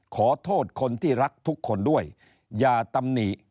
ขอโทษคนที่รักทุกคนด้วยอย่าตำหนิ